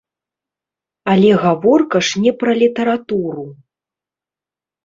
Але гаворка ж не пра літаратуру.